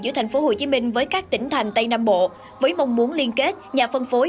giữa tp hcm với các tỉnh thành tây nam bộ với mong muốn liên kết nhà phân phối